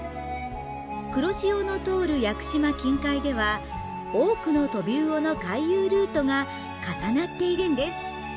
屋久島近海では多くのトビウオの回遊ルートが重なっているんです。